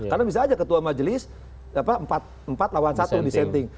karena bisa saja ketua majelis empat lawan satu disenting